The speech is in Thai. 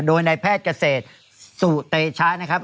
โดยนายแพทย์เกษตรสุเตชะนะครับ